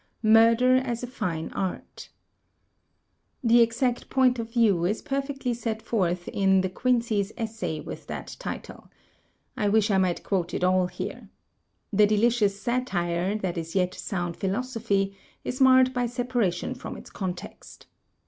Murder as a Fine Art The exact point of view is perfectly set forth in De Quin cey's essay with that title. I wish I might quote it all here. The delicious satire that is yet soimd philosophy, is marred by separation from its context.